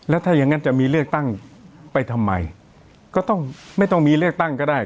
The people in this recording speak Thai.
แล้วถ้าอย่างนั้นจะมีเลือกตั้งไปทำไมก็ต้องไม่ต้องมีเลือกตั้งก็ได้